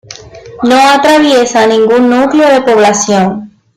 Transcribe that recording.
No atraviesa ningún núcleo de población.